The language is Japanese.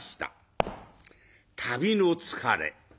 旅の疲れ。